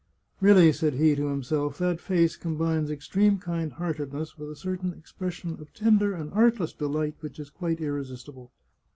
" Really," said he to himself, " that face combines ex treme kind heartedness with a certain expression of tender and artless delight which is quite irresistible.